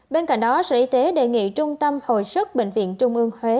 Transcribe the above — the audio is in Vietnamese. bên cạnh đó sở y tế đề nghị trung tâm hồi sức bệnh viện trung ương huế